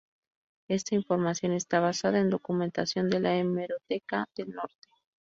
Esta información esta basada en documentación de la hemeroteca del Norte.